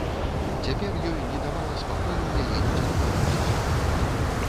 Цяпер ёй не давала спакою яе нецярплівасць.